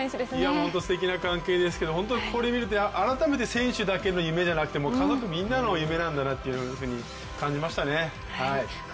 本当にすてきな関係ですけれども、これ、見ると改めて、選手だけの夢じゃなくて家族みんなの夢なんだなって感じましたね。